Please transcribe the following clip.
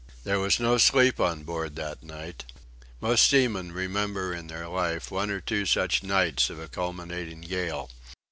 There was no sleep on board that night. Most seamen remember in their life one or two such nights of a culminating gale.